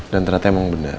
dan ternyata emang bener